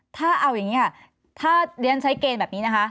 ถ้าเอาอย่างนี้ค่ะถ้าเรียนใช้เกณฑ์แบบนี้นะคะ